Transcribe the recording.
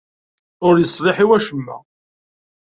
Ur yeṣliḥ i wacemma.